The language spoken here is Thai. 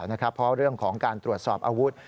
เพราะเรื่องของการตรวจสอบอาวุธ